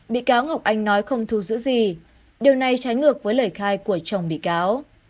bị cáo ngọc anh nói không thu giữ gì điều này trái ngược với lời khai của chồng bị cáo